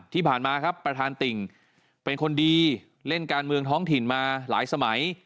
ที่ผ่านมาครับประธานติ่งเป็นคนดีเล่นการเมืองท้องถิ่นมาหลายสมัย